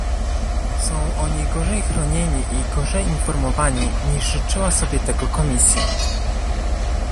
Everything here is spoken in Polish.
Są oni gorzej chronieni i gorzej informowani niż życzyła sobie tego komisja